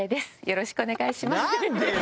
よろしくお願いします。